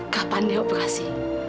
kapan dia operasi